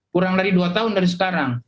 kurang dari dua tahun dari sekarang